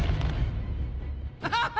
ハハハ！